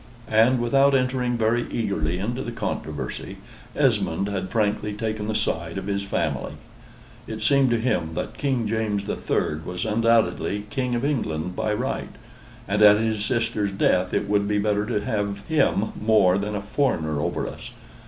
And without entering very eagerly into the controversy, Esmond had frankly taken the side of his family. It seemed to him that King James the Third was undoubtedly King of England by right: and at his sister's death it would be better to have him than a foreigner over us.